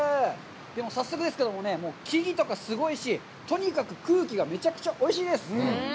では、早速ですけれどもね、木々とかがすごいし、とにかく空気がめちゃくちゃおいしいです！